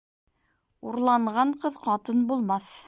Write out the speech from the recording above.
Урланған ҡыҙ ҡатын булмаҫ